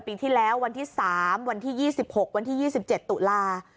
ปีที่แล้ววันที่๓วันที่๒๖วันที่๒๗ตุลา